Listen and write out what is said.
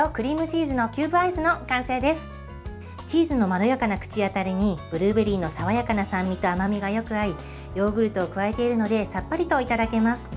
チーズのまろやかな口当たりにブルーベリーの爽やかな酸味と甘みがよく合いヨーグルトを加えているのでさっぱりといただけます。